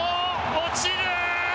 落ちる。